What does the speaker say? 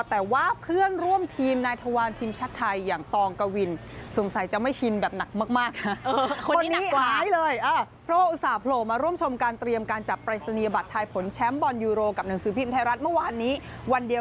แต่ว่าเพื่อนร่วมทีมนายธวรรณทีมชัดไทย